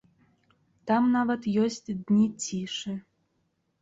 Там нават ёсць дні цішы.